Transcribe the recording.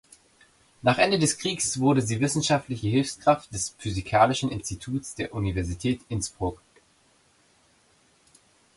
Nach Ende des Krieges wurde sie Wissenschaftliche Hilfskraft des Physikalischen Instituts der Universität Innsbruck.